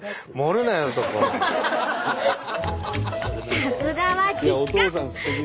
さすがは実家！